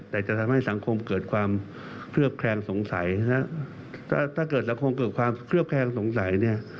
แต่จะทำให้สังคมเกิดความเคลือบแคลงสงสัยฮะถ้าเกิดเราคงเกิดความเคลือบแคลงสงสัยเนี่ย